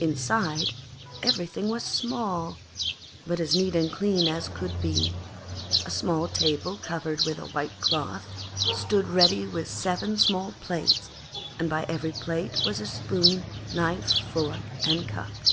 Inside, everything was small, but as neat and clean as could be. A small table covered with a white cloth stood ready with seven small plates, and by every plate was a spoon, knife, fork, and cup.